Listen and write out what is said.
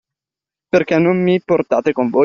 Perché non mi portate con voi?